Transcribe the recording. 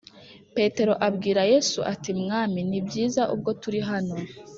Petero abwira Yesu ati “Mwami, ni byiza ubwo turi hano